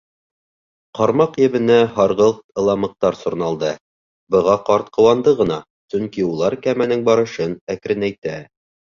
Ҡармаҡ ебенә һарғылт ылымыҡтар сорналды, быға ҡарт ҡыуанды ғына, сөнки улар кәмәнең барышын әкренәйтә.